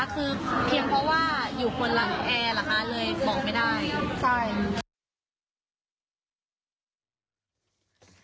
เพียงเพราะว่าอยู่ผลอะแอร์เหรอคะบอกไม่ได้